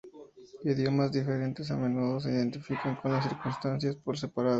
Idiomas diferentes a menudo se identifican con las circunstancias por separado.